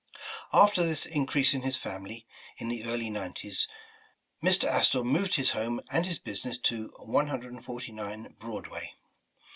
After this increase in his family, in the early nine ties, Mr. Astor moved his home and his business to 149 Broadway.